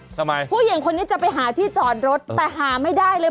ทำไมผู้หญิงคนนี้จะไปหาที่จอดรถแต่หาไม่ได้เลย